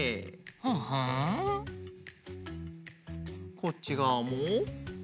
こっちがわも。